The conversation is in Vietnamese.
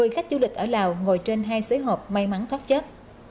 một mươi khách du lịch ở lào ngồi trên hai xới hộp may mắn thoát chết